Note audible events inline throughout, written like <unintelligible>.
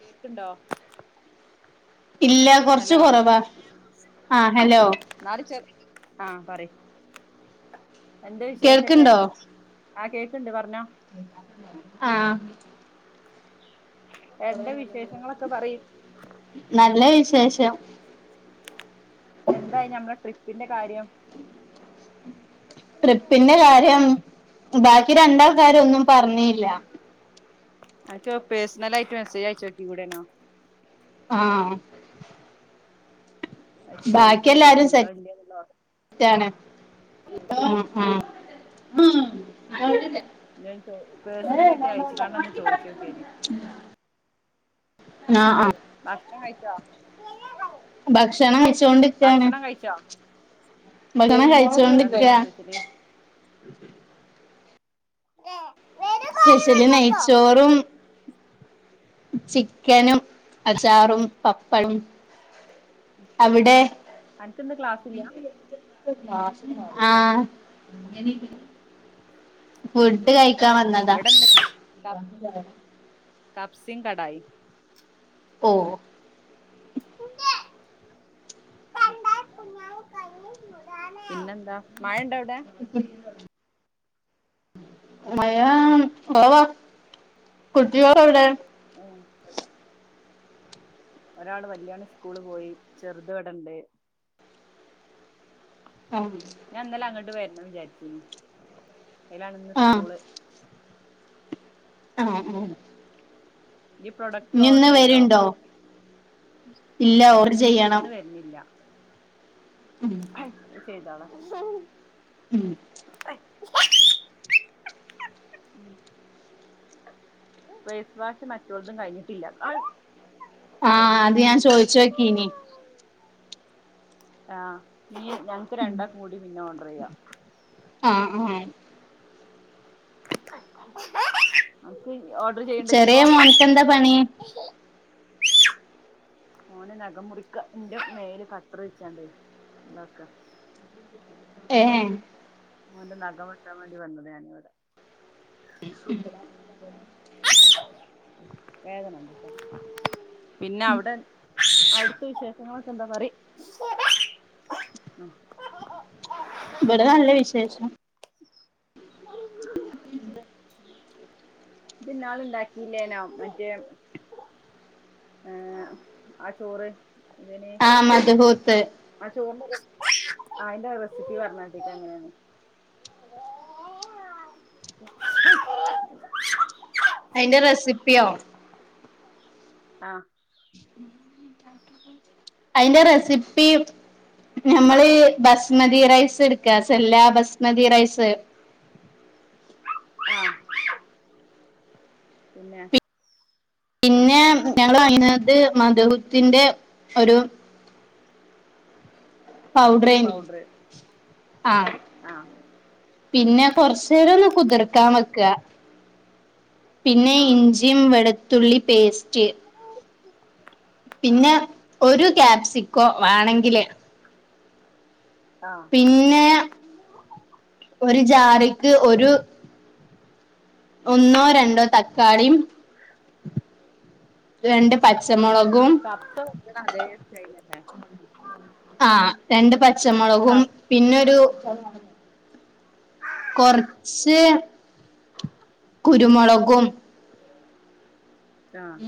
കേൾക്കുണ്ടോ ഇല്ല കൊറച്ച് കൊറവാ ആഹ് ഹലോ നാള ചെ ആഹ് പറയ് എന്താ വിശേഷൊക്കെ കേൾക്ക്ണ്ടോ ആഹ് കേക്കുണ്ട് പറഞ്ഞോ ആഹ് എന്താ വിശേഷങ്ങളൊക്കെ പറയ് നല്ല വിശേഷം എന്തായി ഞമ്മളെ ട്രിപ്പിന്റെ കാര്യം ട്രിപ്പിന്റെ കാര്യം ബാക്കി രണ്ടാൾക്കാരും ഒന്നും പറഞ്ഞില്ല അനക്ക് പേഴ്സണൽ ആയിട്ട് മെസേജ് അയച്ച് നോക്കി കൂടായിനോ ആഹ് അത്ച്ച് ചോദിച്ചോക്കിയേനി ഇണ്ടോ ഇല്ലേ എന്നുള്ള ക്ടാണ് ആഹ് ആഹ് ആഹ് ഞാൻ ചോ പേഴ്സണലായിട്ട് അയച്ച്കാണ്ടൊന്ന് ചോയിച്ചോക്കേനി <unintelligible> <unintelligible> ആഹ് അഹ് ഭാക്ഷണം കഴിച്ചോ ഭക്ഷണം കഴിച്ചോണ്ടിക്കാണ് ഭക്ഷണം കഴിച്ചോ ഭഷണം എന്താന്ന് കഴിച്ചോണ്ടിക്ക സ്പെഷ്യല് സ്പെഷ്യല് നെയ്ച്ചോറും ചിക്കനും അചാറും പപ്പഴും അവിടെ അനക്ക്ന്ന് ക്ലാസ്സില്ല ആഹ് ഫുഡ് ആഹ് കഴിക്കാൻ വന്നതാ ഇവിടെന്ന് കപ് കപ്സിം കടായിം ഓഹ് പിന്നെ എന്താ മഴ ഇണ്ട അവിടെ <unintelligible> മയാ കൊറവാ കുട്ടിയള് എവിടെ ഉം ഒരാള് വല്യയാണ് ഇസ്കൂള് പോയി ചെറുത് ഇവിടണ്ട് ആഹ് ഞാൻ ഇന്നലെ അങ്ങട്ട് വരണം വിചാരിച്ചീനി അയിലാണ് ഇന്ന് ആഹ് സ്കൂള് ആഹ് ആഹ് ഈ പ്രൊഡക്റ്റ് ഇഞ്ഞിന്ന് ഓർഡർ ചെയ്തോ വരുണ്ടോ ഇല്ല ഓർഡർ ചെയ്യണം ഇന്ന് വര്ണില്ല <unintelligible> അത് ചെയ്താള ഉം <inaudible> ഫേസ് വാഷ് മാറ്റോലതും കഴിഞ്ഞിട്ടില്ല <inaudible> ആഹ് അത് ഞാൻ ചോയിച്ചോക്കീനി ആഹ് ഇനി ഞങ്ങക്ക് രണ്ടാക്കും കൂടി പിന്നെ ഓർഡർ ചെയ്യാ ആഹ് ആഹ് അനക്ക് ഓർഡർ ചെയ്യ്‌ണ്ടോ ഇജ്ജിപ്പോ എന്താ പണി ഓന് നഖം മുറിക്ക ഇന്റെ മേല് കട്ടർ വെച്ചാണ്ടെ ഇതാക്ക ഏഹ് ഓന്റെ നഖം വെട്ടാൻ വേണ്ടി വന്നതാ ഞാൻ ഇവിടെ <inaudible> വേദന ഉണ്ട് ട്ടോ പിന്നെ അവിടെ അവിടുത്തെ വിശേഷങ്ങൾ ഒക്കെ എന്താ പറിയ് <inaudible> ഇവിടെ നല്ല വിശേഷം <inaudible> ഇജ്ജ് ഇന്നാള് ഇണ്ടാക്കില്ലേനോ മറ്റേ ഏഹ് ആ ചോറ് ഇതിന് ആഹ് മദ്ഹൂത് ആ ചോറിന്റെ റെസിപ്പി ആ അയ്ന്റെ റെസിപ്പി പറഞ്ഞാട്ടീക്ക എങ്ങനെന്ന് <inaudible> അയ്‌ന്റെ റെസിപ്യോ ആഹ് <inaudible> അയ്‌ന്റെ റെസിപ്പി ഞമ്മള് ബസ്മതി റൈസ്ട്ക്ക സെല്ലാ ബസ്മതി റൈസ് ആഹ് പിന്നെ പിന്നെ ഞങ്ങള് അയ്നാത്ത് മദ്ഹൂത്തിന്റെ ഒരു പൗഡ്രെയ്‌നി പൗഡറ് ആഹ് ആഹ് പിന്നെ കൊർച്ചേരൊന്ന് കുതിർക്കാൻ വെക്ക പിന്നെ ആഹ് ഇഞ്ചിയും വെളുത്തുള്ളി പേസ്റ്റ് ആഹ് പിന്നെ ഒരു കാപ്സിക്കോ വാണെങ്കില് ആഹ് പിന്നെ ഒരു ജാറ്ക്ക് ഒരു ഒന്നോ രണ്ടോ തക്കാളീം രണ്ട് ആഹ് പച്ചമുളകും കബ്സ വെക്ക്ണ അതെ സെയ്‌മെന്നെ ആഹ് രണ്ട് പച്ചമൊളകും കപ് പിന്നൊരു കൊർച്ച് കുരുമൊളകും ആഹ്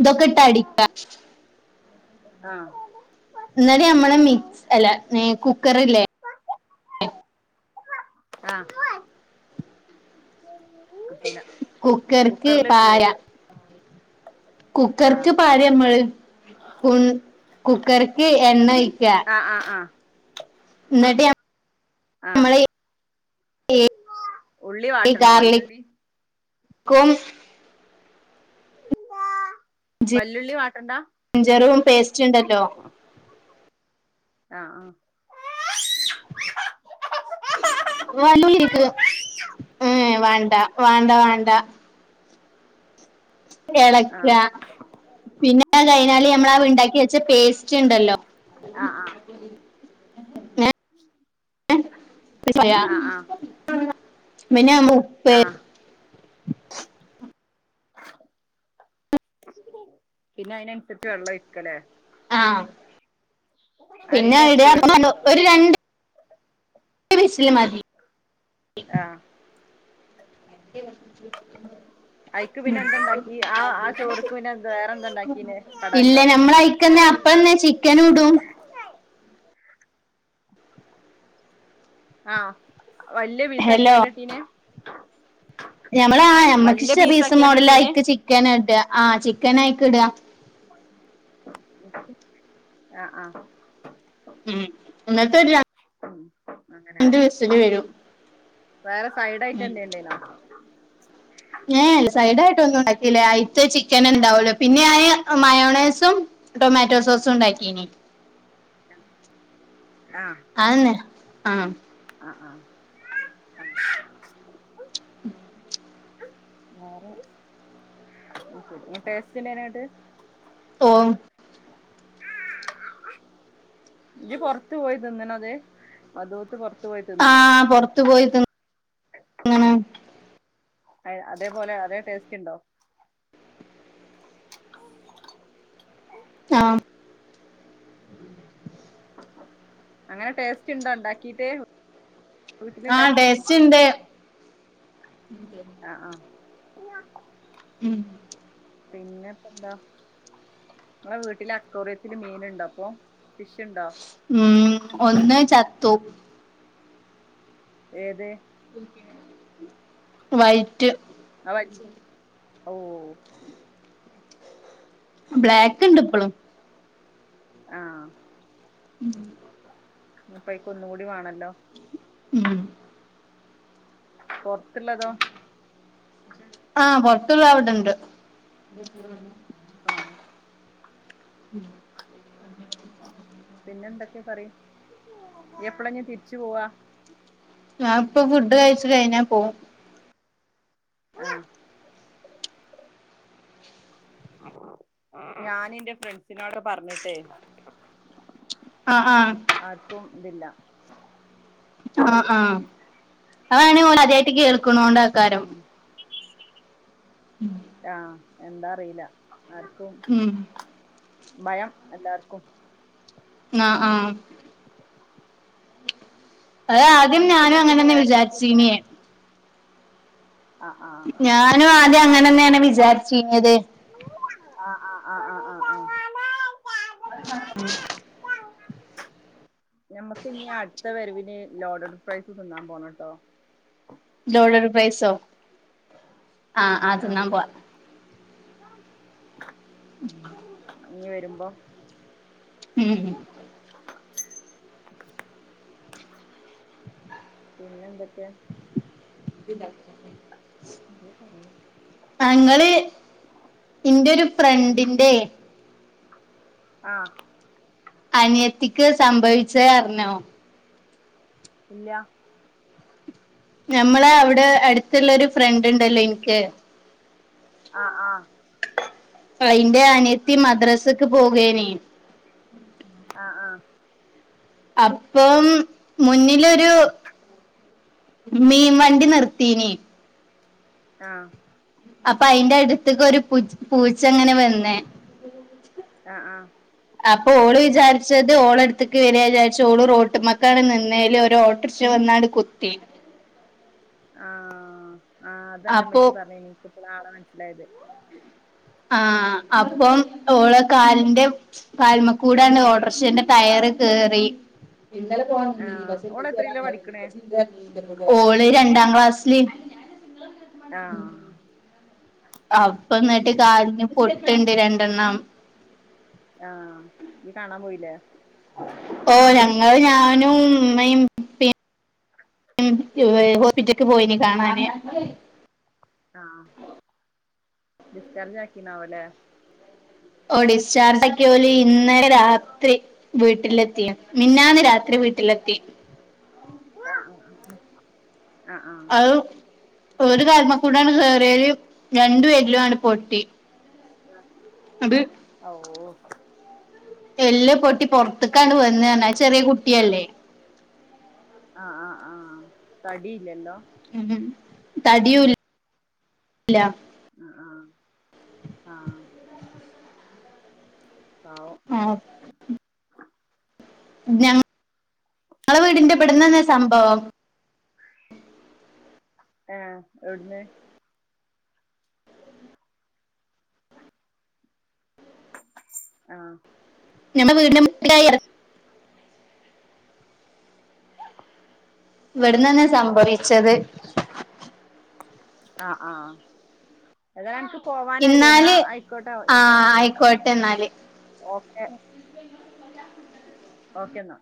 ഇതൊക്കെട്ട് അടിക്കാ ആഹ് ന്ന്ട്ട് നമ്മളെ മിക്സ് അല്ല നെ കുക്കറില്ലേ ആഹ് <inaudible> കുക്കർക്ക് കുക്കറിലിട്ട് പാര കുക്കർക്ക് ആഹ് പാരമ്മള് കുൺ കുക്കർക്ക് എണ്ണോയ്ക്ക ആഹ് ആഹ് ആഹ് ന്ന്ട്ട് ഞ ആഹ് മ്മളീ ഉള്ളി വാട്ടണോ ഗാർലിക്ക് വല്യുള്ളി ക്കും വല്ലുള്ളി വാട്ടണ്ടാ ഞ്ചറും പേസ്റ്റ് ണ്ടല്ലോ ആഹ് ആഹ് വല്ലുള്ളയ്ക്ക് ഏ വാണ്ട വാണ്ട വാണ്ട എളക്ക ആഹ് പിന്നത് കയ്ഞ്ഞാല് നമ്മളാ ണ്ടാക്കി വെച്ച പേസ്റ്റ്ണ്ടല്ലോ ആഹ് ആഹ് <inaudible> ആഹ് ആഹ് <unintelligible> പിന്നമ്മ ആഹ് പിന്നെ അയ്നൻസരിച്ച് വെള്ളൊയ്ക്ക ലെ ആഹ് പിന്നെ അരിന്റെ എരട്ടി വെള്ളം <unintelligible> എടുത്തോ ഒരു രണ്ട് ണ്ട് വിസില് മതി ആഹ്, <unintelligible> <inaudible> അയ്ക്ക് പിന്നെ എതുണ്ടാക്കി, ആ, ആ ചോറ്ക്ക് പിന്നെ എന്ത വേറെ? എന്ത ഉണ്ടാക്കിനെ കടായോ. പ്പന്നെ ചിക്കനും ഉടും. ആഹ് വലിയ പീസ് ഹലോ ആക്കിയാനെ ഇട്ടീന്. ഞമ്മള് ആ വല്യ ഞമ്മക്ക്ഷ്-ചെറിയീസ് മോഡല പീസാക്കിയാണ്ടട്ടീന് ആയിക്ക് ചിക്കൻ ഇട്ടുക, ആ ചിക്കൻ ആയ്ക്ക് ഇടുക- ആഹ, ആഹ, ഉം എന്നിട്ട്, ഉം അങ്ങനെ രണ്ട് വിസില് വരും വേറെ സൈഡ്- ആയിട്ട് ഉം എന്തെ ഉണ്ടെനാ. ഏ സൈഡ് ആയിട്ട് ഒന്നും- ഉണ്ടക്കീല്ല, അയിത്ത ചിക്കൻ- ഉണ്ടാവല്ലോ പിന്നെ ആയ- മയോണേസും. ടൊമാറ്റോ സോസും ഉണ്ടാക്കിനി- ആ, അതന്നെ ആ, ആ ആഹാ, <unintelligible> വേറെ ശരി ടെസ്റ്റ്നായിട്ട്- ഓ... <unintelligible> ഇജ്ജ് പൊറത്ത് പോയി- തിന്നണത് മദൂദ് പൊറത്ത്- പോയി തിന്ന്ണോ ആഹ് പൊറത്തു പോയി തി- അതേപോലെ അതേ ടേസ്റ്റ് ഉണ്ടോ? ആഹ്, അങ്ങനെ ടേസ്റ്റ് ഇണ്ടോ ഉണ്ടാക്കീട്ട്. ആഹ് ടെസ്റ്റ്ണ്ട്. ആഹ, ആഹാ, ഉം. പിന്നെപ്പ എന്താ? ങ്ങടെ വീട്ടില് അക്കോറിയത്തി മീന്- ഉണ്ടോ അപ്പോ, ഫിഷ്ണ്ടോ? ഉം.. ഒന്ന് ചത്തു. ഏത്? വൈറ്റ്. <unintelligible> ഓ... അത് ബ്ലാക്ക് ഇണ്ട് ഇപ്പളും. ആഹാ... ഉം... പ്പയ്കൊന്നൂടി വേണല്ലോ? ഉം പൊറത്തുള്ളതോ? ആ പുറത്തുള്ളത് അവിടെണ്ട്. <unintelligible> ആഹ... ഉം... പിന്നെ എന്തൊക്കെ പറയ്, ഇയ്യ് എപ്പളാ ഇനി തിരിച്ചു പോവാ? ഞാ ഇപ്പോ ഫുഡ് കഴിച്ചു- കഴിഞ്ഞാൽ പോവും. ആഹാ.. ഞാൻ എന്റെ ഫ്രണ്ട്സിനോട്- പറഞ്ഞിട്ടെ. ആഹ് ആഹ് ആര്ക്കും ഇതില്ല ആഹ് ആഹ് അതാണേ ഓലാദ്യായിട്ട് കേൾക്ക്ണോണ്ടാക്കാരം ഉം ഉം ആഹ് എന്താറീല്ല ആര്ക്കും ഉം ഭയം എല്ലാർക്കും ആഹ് ആഹ് അത് ആദ്യം ഞമ്മക്ക് ഞാനും ഇന്നാ പിന്നെ അങ്ങനെന്നെ വേറെ എന്തെങ്കിലും പ്ലാൻ വിചാര്ച്ചീന്യെ ആഹ് ഞാനും ആദ്യങ്ങനെ ന്നെണ് ആഹ് വിചാര്ച്ചീന്യത് ആഹ് ആഹ് ആഹ് ആഹ് ആഹ് ആഹ് ഉം ഞമ്മക്ക് ഞ് അട്ത്ത വരവിന് ലോഡഡ് ഫ്രൈസ് തിന്നാൻ പോണട്ടോ ലോഡഡ് ഫ്രൈസോ ആഹ് ആഹ് തിന്നാൻ പോവാ. ഉം ഇഞ്ഞ് വെരുമ്പം ഉം പിന്നെന്തെക്കെ? <unintelligible> ആഹ് ഇങ്ങള് എൻ്റൊരു ഫ്രണ്ടിന്റെ ആഹ് അനിയത്തിക്ക് സംഭവിച്ചത് അർഞ്ഞോ? ഇല്ല ഞമ്മളെ അവടെ അട്ത്ത്ള്ളൊരു ഫ്രണ്ട് ണ്ടല്ലോ ഇൻക്ക് ആഹ് ആഹ് അയ്ന്റെ അനിയത്തി മദ്രസ്ക്ക് പോകേനി ആഹ് ആഹ് അപ്പം മുന്നിലൊരു മീൻ വണ്ടി നിർത്തീനി ആഹ് അപ്പൊ അയിന്റെ അട്ത്ത്ക്കൊര് പുച്ച് പൂച്ച ങ്ങനെ വെന്ന് ആഹ് ആഹ് അപ്പൊ ഓള് വിചാര്ച്ചത് ഓളട്ത്ത്ക്ക് വെരാ ചാര്ച്ച് ഓള് റോഡ്മ്മക്കാണ്ട് നിന്നേല് ഒരോ ർക്ഷ വന്നാണ്ട് കുത്തി. ആഹ് ആഹ് അപ്പൊ തെന്റെമ്മച്ചി പർഞ്ഞീനി ഇൻക്ക് പ്പളാ ആളെ മൻസ്സിലായത്. ആഹ് അപ്പം ഓളെ കാലിന്റെ കാൽമക്കൂടാണ്ട് ഓട്ടർഷന്റെ ടയർ കേറി. ഇന്നലെ പോവാൻ നിന്നിനി ആഹ് പക്ഷേ ഓള് ഇമ്മച്ചി വരാൻ എത്രയിലാ നേരം വൈകി പഠിക്കണേ ഇമ്മച്ചി ണ്ട്ന്ന് പർഞ്ഞീനി ഇൻ്റെ പ്പം ഓള് രണ്ടാം ക്ലാസ്സില്. ആഹ് അപ്പ അത് ന്നട്ട് ശരി കാലിന് പൊട്ട്ണ്ട് രണ്ടെണ്ണം. ആഹ് ഇയ്യ് കാണാൻ പോയില്ലേ? ഓഹ് ഞങ്ങള് ഞാനും ഉമ്മയും ഉപ്പിം ഉം യുവെ ഹോസ്പിറ്റല്ക്ക് പോയിനി കാണാന്. ആഹ് ഡിസ്ചാർജാക്കിണാവല്ലെ. ഓ ഡിസ്ചാർജ് ഒക്കിയോ ലി ഇന്നലെ രാത്രി വീട്ടിലെത്തിയോ മിന്നന്ന് രാത്രി വീട്ടിലെത്തി ആഹ് ആഹ് അത് ഒരു അത് കാലുമേ ശരി കൂടാണ്ട് കേറിയേല് രണ്ടു വരിലും ആണ്ട് പൊട്ടി ആ അത് ഔഹ് എല്ല് പൊട്ടി പുറത്തേക്കാണ്ട് വരുന്നേ പറഞ്ഞേ ചെറിയ കുട്ടിയല്ലേ ആഹ് ആഹ് ആഹ് തടിയില്ലല്ലോ ഉം ഉം തടിയുല്ല ആ ആഹ് ആഹ് പാവം ആ ഞങ്ങ് ഞങ്ങളുടെ വീടിന്റെ ഇവിടന്ന് തന്നാ സംഭവം ആഹ് എവിടുന്ന് ആഹ് ഞമ്മുടെ വീടിന്റെ മുറ്റത്തായാ ആഹ് ഇവിടന്ന്ന്നെയാ സംഭവിച്ചത് ആ ആഹ് എതാ നിനക്ക് പോവാനായില്ലേ എന്നാ ഇന്നാല് ആയിക്കോട്ടോ ഞങ്ങ ആഹ് ആയിക്കോട്ടെ എന്നാല് ഓക്കെ ഓക്കേ എന്നാ